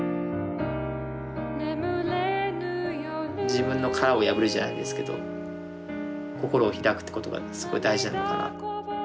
自分の殻を破るじゃないですけど心を開くってことがすごい大事なのかな。